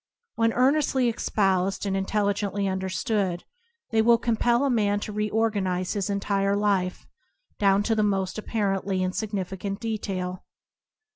When ear nestly espoused and intelligently understood they will compel a man to reorganize his entire life down to the most apparently in significant detail.